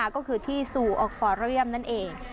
ก็คือที่ซูออคอเรียมนั่นเอง